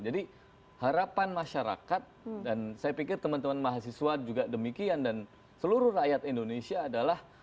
jadi harapan masyarakat dan saya pikir teman teman mahasiswa juga demikian dan seluruh rakyat indonesia adalah